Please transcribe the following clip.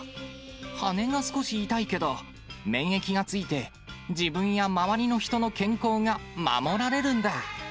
羽が少し痛いけど、免疫がついて、自分や周りの人の健康が守られるんだ。